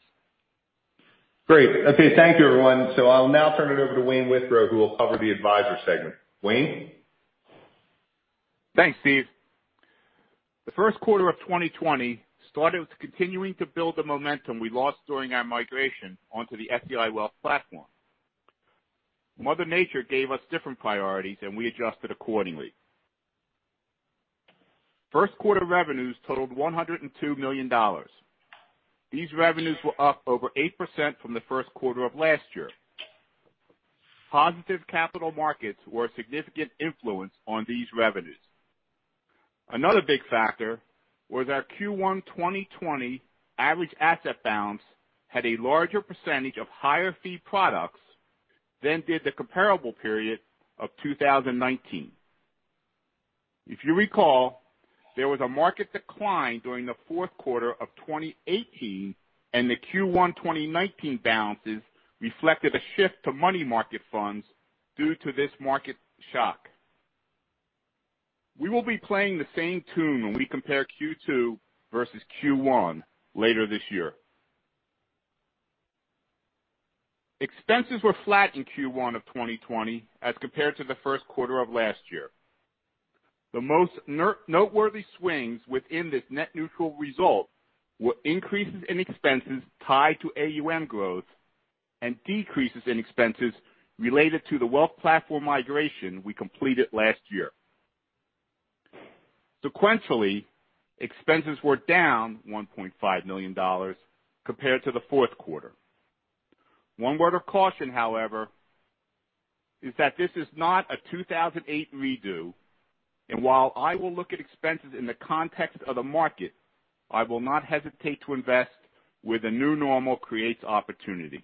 Great. Okay. Thank you, everyone. I'll now turn it over to Wayne Withrow who will cover the advisor segment. Wayne?
Thanks, Steve. The first quarter of 2020 started with continuing to build the momentum we lost during our migration onto the SEI Wealth Platform. Mother nature gave us different priorities, so we adjusted accordingly. First quarter revenues totaled $102 million. These revenues were up over 8% from the first quarter of last year. Positive capital markets were a significant influence on these revenues. Another big factor was our Q1 2020 average asset balance had a larger percentage of higher fee products than did the comparable period of 2019. If you recall, there was a market decline during the fourth quarter of 2018 and the Q1 2019 balances reflected a shift to money market funds due to this market shock. We will be playing the same tune when we compare Q2 versus Q1 later this year. Expenses were flat in Q1 of 2020 as compared to the first quarter of last year. The most noteworthy swings within this net neutral result were increases in expenses tied to AUM growth and decreases in expenses related to the wealth platform migration we completed last year. Sequentially, expenses were down $1.5 million compared to the fourth quarter. One word of caution, however, is that this is not a 2008 redo, and while I will look at expenses in the context of the market, I will not hesitate to invest where the new normal creates opportunity.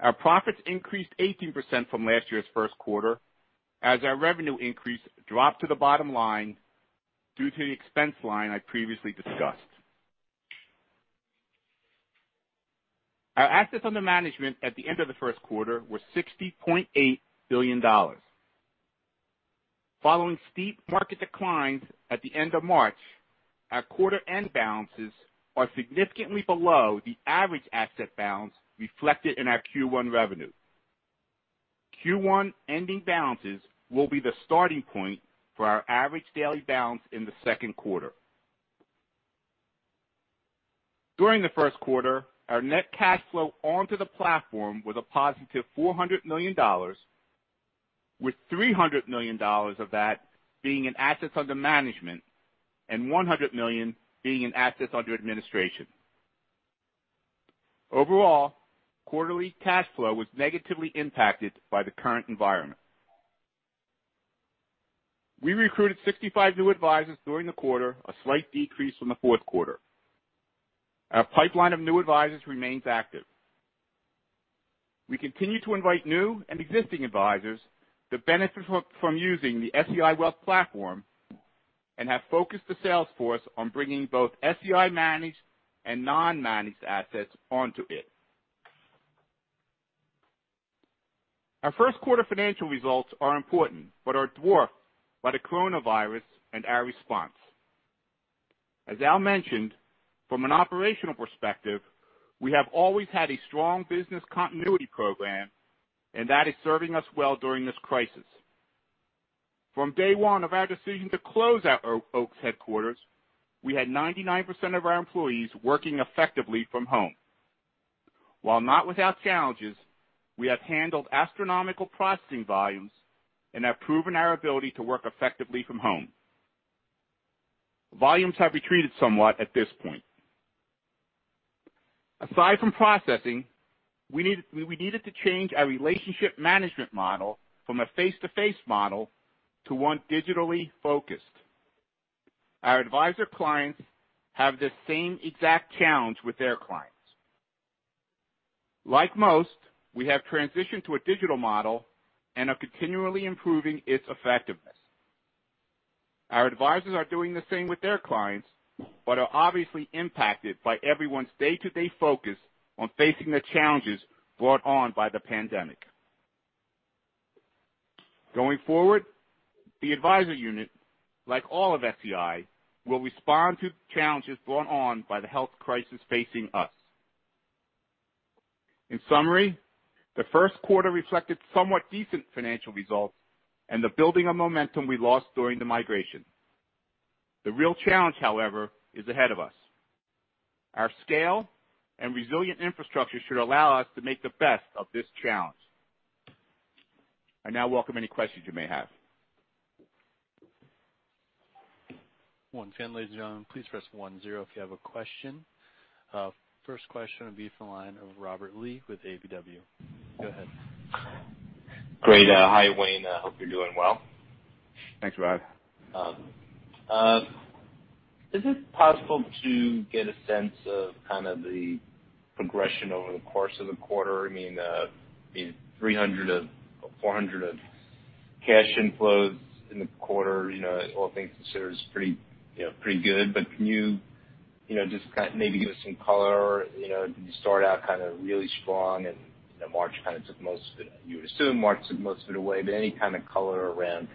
Our profits increased 18% from last year's first quarter as our revenue increase dropped to the bottom line due to the expense line I previously discussed. Our assets under management at the end of the first quarter were $60.8 billion. Following steep market declines at the end of March, our quarter-end balances are significantly below the average asset balance reflected in our Q1 revenue. Q1 ending balances will be the starting point for our average daily balance in the second quarter. During the first quarter, our net cash flow onto the platform was a positive $400 million, with $300 million of that being in assets under management and $100 million being in assets under administration. Overall, quarterly cash flow was negatively impacted by the current environment. We recruited 65 new advisors during the quarter, a slight decrease from the fourth quarter. Our pipeline of new advisors remains active. We continue to invite new and existing advisors to benefit from using the SEI Wealth Platform, and have focused the sales force on bringing both SEI managed and non-managed assets onto it. Our first quarter financial results are important but are dwarfed by the coronavirus and our response. As Al mentioned, from an operational perspective, we have always had a strong business continuity program, and that is serving us well during this crisis. From day one of our decision to close our Oaks headquarters, we had 99% of our employees working effectively from home. While not without challenges, we have handled astronomical processing volumes and have proven our ability to work effectively from home. Volumes have retreated somewhat at this point. Aside from processing, we needed to change our relationship management model from a face-to-face model to one digitally focused. Our advisor clients have the same exact challenge with their clients. Like most, we have transitioned to a digital model and are continually improving its effectiveness. Our advisors are doing the same with their clients, but are obviously impacted by everyone's day-to-day focus on facing the challenges brought on by the pandemic. Going forward, the advisor unit, like all of SEI, will respond to challenges brought on by the health crisis facing us. In summary, the first quarter reflected somewhat decent financial results and the building of momentum we lost during the migration. The real challenge, however, is ahead of us. Our scale and resilient infrastructure should allow us to make the best of this challenge. I now welcome any questions you may have.
Once again, ladies and gentlemen, please press one zero if you have a question. First question will be from the line of Robert Lee with KBW. Go ahead.
Great. Hi, Wayne. I hope you're doing well.
Thanks, Rob.
Is it possible to get a sense of kind of the progression over the course of the quarter? I mean, $300 or $400 of cash inflows in the quarter, all things considered, is pretty good. But can you just maybe give us some color? Did you start out really strong and March kind of took most of it? You would assume March took most of it away, but any kind of color around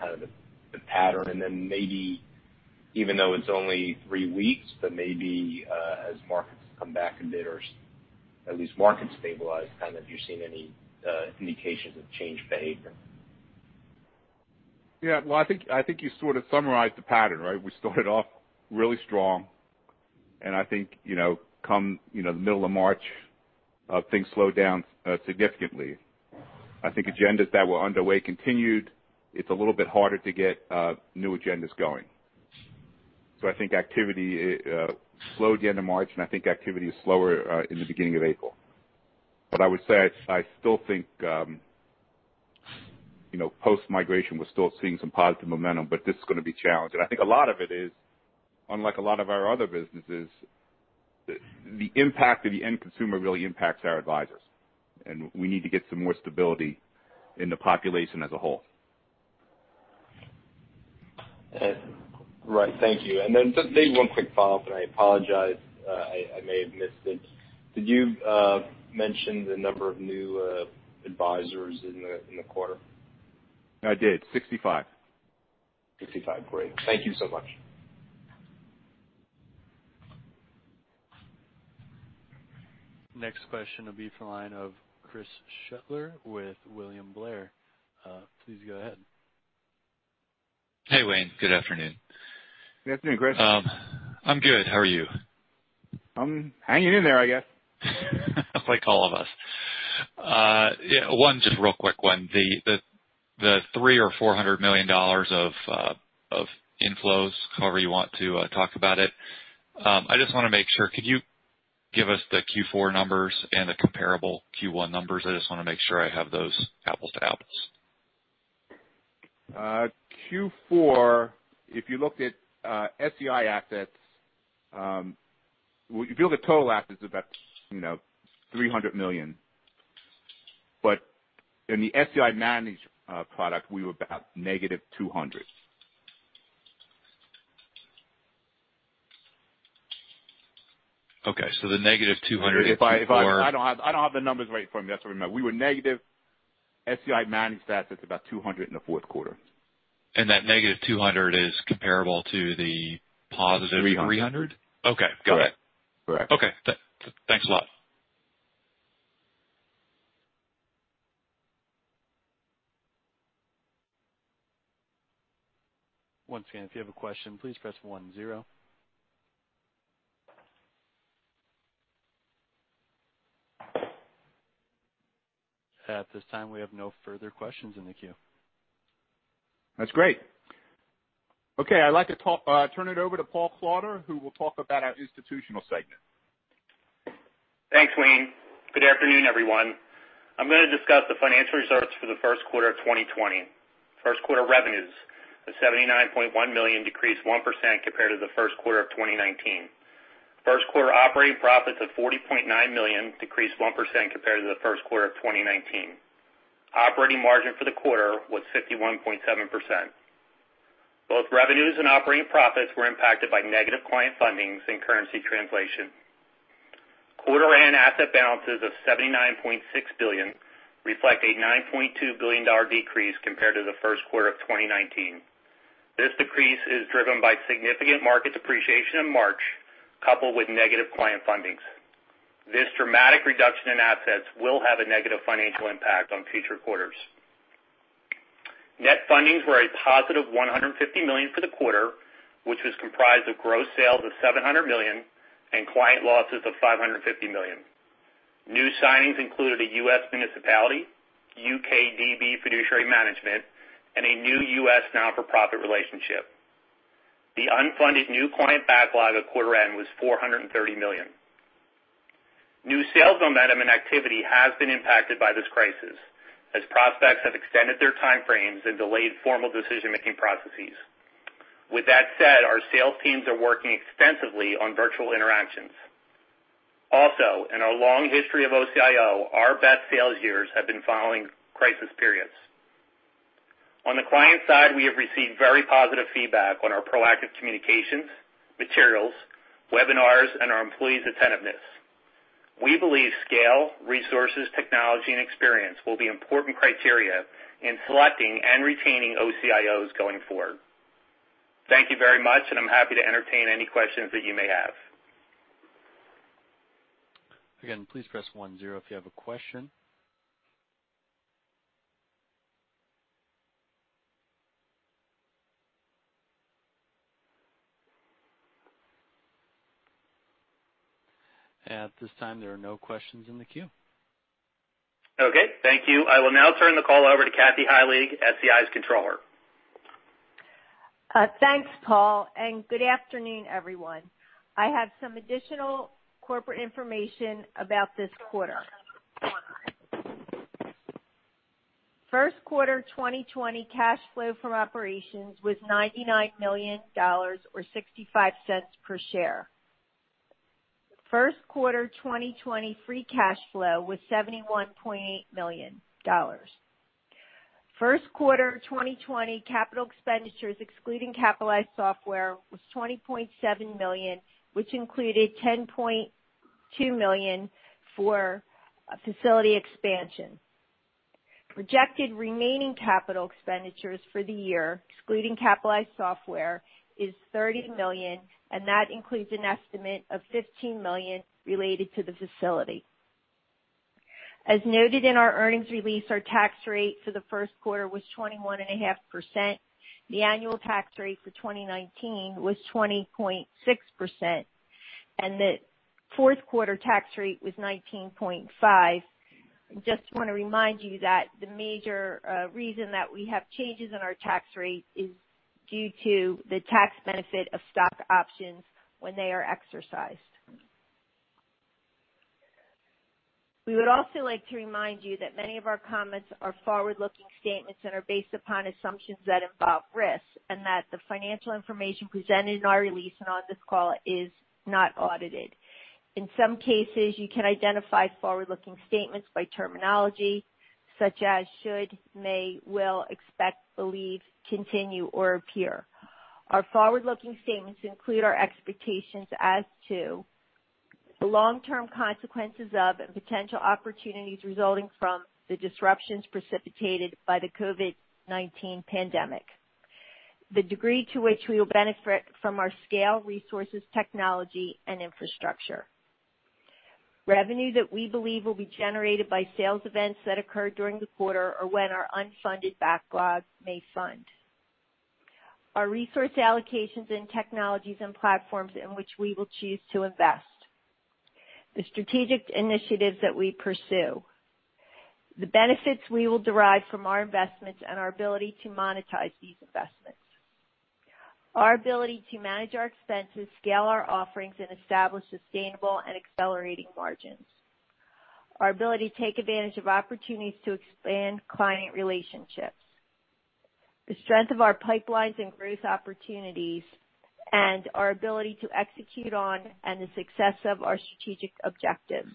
the pattern and then maybe, even though it's only three weeks, but maybe as markets come back a bit or at least markets stabilize, have you seen any indications of changed behavior?
Yeah. Well, I think you sort of summarized the pattern, right? We started off really strong, and I think come the middle of March, things slowed down significantly. I think agendas that were underway continued. It's a little bit harder to get new agendas going. I think activity slowed the end of March, and I think activity is slower in the beginning of April. I would say, I still think, post-migration, we're still seeing some positive momentum, but this is going to be challenged. I think a lot of it is, unlike a lot of our other businesses, the impact of the end consumer really impacts our advisors, and we need to get some more stability in the population as a whole.
Right. Thank you. Then maybe one quick follow-up, and I apologize, I may have missed it. Did you mention the number of new advisors in the quarter?
I did. 65.
65. Great. Thank you so much.
Next question will be from the line of Chris Shutler with William Blair. Please go ahead.
Hey, Wayne. Good afternoon.
Good afternoon, Chris.
I'm good. How are you?
I'm hanging in there, I guess.
Like all of us. Yeah, just a real quick one. The $300 or $400 million of inflows, however you want to talk about it. I just want to make sure, could you give us the Q4 numbers and the comparable Q1 numbers? I just want to make sure I have those apples to apples.
Q4, if you looked at SEI assets, if you look at total assets, about $300 million. In the SEI managed product, we were about -$200.
Okay. The -$200 Q4.
I don't have the numbers right in front of me. That's what I remember. We were negative SEI managed assets about $200 in the fourth quarter.
That -$200 is comparable to the positive-.
$300.
$300? Okay. Got it.
Correct.
Okay. Thanks a lot.
Once again, if you have a question, please press one zero. At this time, we have no further questions in the queue.
That's great. Okay, I'd like to turn it over to Paul Klauder, who will talk about our institutional segment.
Thanks, Wayne. Good afternoon, everyone. I'm going to discuss the financial results for the first quarter of 2020. First quarter revenues was $79.1 million, decreased 1% compared to the first quarter of 2019. First quarter operating profits of $40.9 million, decreased 1% compared to the first quarter of 2019. Operating margin for the quarter was 51.7%. Both revenues and operating profits were impacted by negative client fundings and currency translation. Quarter end asset balances of $79.6 billion reflect a $9.2 billion decrease compared to the first quarter of 2019. This decrease is driven by significant markets appreciation in March, coupled with negative client fundings. This dramatic reduction in assets will have a negative financial impact on future quarters. Net fundings were a positive $150 million for the quarter, which was comprised of gross sales of $700 million and client losses of $550 million. New signings included a U.S. municipality, U.K. DB fiduciary management, and a new U.S. not-for-profit relationship. The unfunded new client backlog at quarter end was $430 million. New sales momentum and activity has been impacted by this crisis, as prospects have extended their time frames and delayed formal decision-making processes. With that said, our sales teams are working extensively on virtual interactions. Also, in our long history of OCIO, our best sales years have been following crisis periods. On the client side, we have received very positive feedback on our proactive communications, materials, webinars, and our employees' attentiveness. We believe scale, resources, technology, and experience will be important criteria in selecting and retaining OCIOs going forward. Thank you very much, and I'm happy to entertain any questions that you may have.
Again, please press one zero if you have a question. At this time, there are no questions in the queue.
Okay, thank you. I will now turn the call over to Kathy Heilig, SEI's Controller.
Thanks, Paul, and good afternoon, everyone. I have some additional corporate information about this quarter. First quarter 2020 cash flow from operations was $99 million, or $0.65 per share. First quarter 2020 free cash flow was $71.8 million. First quarter 2020 capital expenditures, excluding capitalized software, was $20.7 million, which included $10.2 million for facility expansion. Projected remaining capital expenditures for the year, excluding capitalized software, is $30 million, and that includes an estimate of $15 million related to the facility. As noted in our earnings release, our tax rate for the first quarter was 21.5%. The annual tax rate for 2019 was 20.6%, and the fourth quarter tax rate was 19.5%. I just want to remind you that the major reason that we have changes in our tax rate is due to the tax benefit of stock options when they are exercised. We would also like to remind you that many of our comments are forward-looking statements that are based upon assumptions that involve risks, and that the financial information presented in our release and on this call is not audited. In some cases, you can identify forward-looking statements by terminology such as should, may, will, expect, believe, continue, or appear. Our forward-looking statements include our expectations as to the long-term consequences of and potential opportunities resulting from the disruptions precipitated by the COVID-19 pandemic, the degree to which we will benefit from our scale, resources, technology, and infrastructure, revenue that we believe will be generated by sales events that occurred during the quarter or when our unfunded backlog may fund, our resource allocations in technologies and platforms in which we will choose to invest, and the strategic initiatives that we pursue. The benefits we will derive from our investments and our ability to monetize these investments. Our ability to manage our expenses, scale our offerings, and establish sustainable and accelerating margins. Our ability to take advantage of opportunities to expand client relationships. The strength of our pipelines and growth opportunities, and our ability to execute on and the success of our strategic objectives.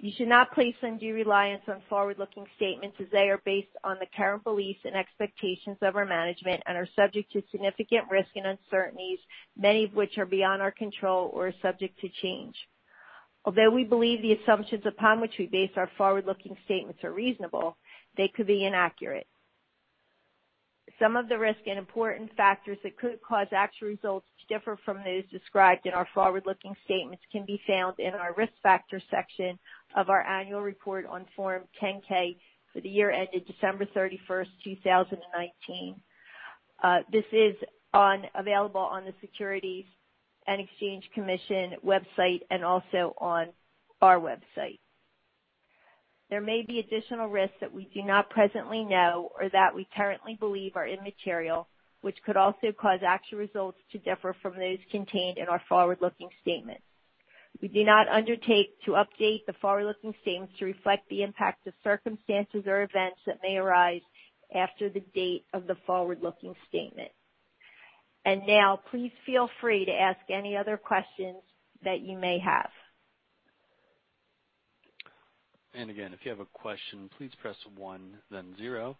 You should not place undue reliance on forward-looking statements as they are based on the current beliefs and expectations of our management and are subject to significant risks and uncertainties, many of which are beyond our control or are subject to change. Although we believe the assumptions upon which we base our forward-looking statements are reasonable, they could be inaccurate. Some of the risks and important factors that could cause actual results to differ from those described in our forward-looking statements can be found in our Risk Factors section of our annual report on Form 10-K for the year ended December 31st, 2019. This is available on the Securities and Exchange Commission website and also on our website. There may be additional risks that we do not presently know or that we currently believe are immaterial, which could also cause actual results to differ from those contained in our forward-looking statements. We do not undertake to update the forward-looking statements to reflect the impact of circumstances or events that may arise after the date of the forward-looking statement. Now please feel free to ask any other questions that you may have.
Again, if you have a question, please press one then zero.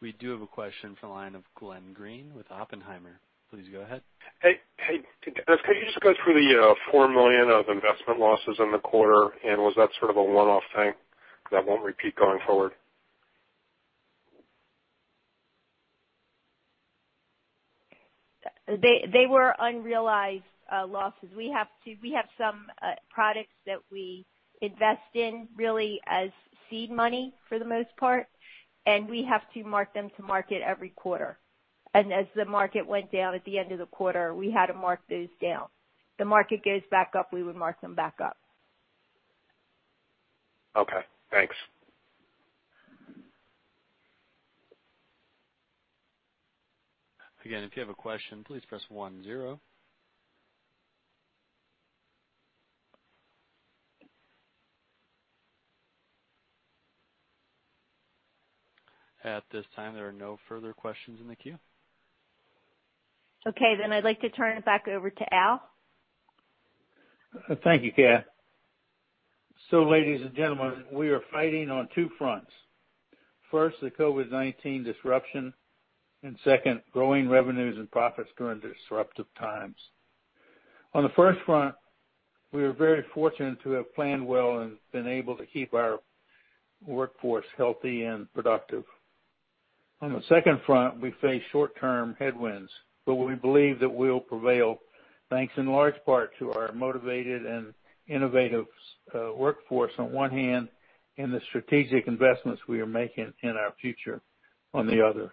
We do have a question from the line of Glenn Greene with Oppenheimer. Please go ahead.
Hey, could you just go through the $4 million of investment losses in the quarter? Was that sort of a one-off thing that won't repeat going forward?
They were unrealized losses. We have some products that we invest in, really as seed money for the most part, and we have to mark them to market every quarter. As the market went down at the end of the quarter, we had to mark those down. If the market goes back up, we would mark them back up.
Okay, thanks.
Again, if you have a question, please press one then zero. At this time, there are no further questions in the queue.
Okay, I'd like to turn it back over to Al.
Thank you, Kathy. Ladies and gentlemen, we are fighting on two fronts. First, the COVID-19 disruption, and second, growing revenues and profits during disruptive times. On the first front, we are very fortunate to have planned well and been able to keep our workforce healthy and productive. On the second front, we face short-term headwinds, but we believe that we'll prevail, thanks in large part to our motivated and innovative workforce on one hand, and the strategic investments we are making in our future on the other.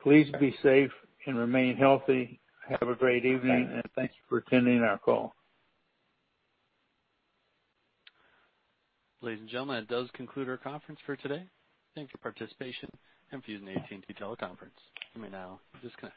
Please be safe and remain healthy. Have a great evening, and thank you for attending our call.
Ladies and gentlemen, that does conclude our conference for today. Thank you for your participation in the AT&T teleconference. You may now disconnect.